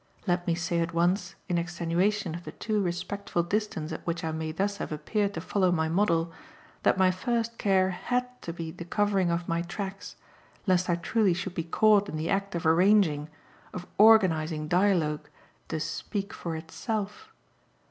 Let me say at once, in extenuation of the too respectful distance at which I may thus have appeared to follow my model, that my first care HAD to be the covering of my tracks lest I truly should be caught in the act of arranging, of organising dialogue to "speak for itself."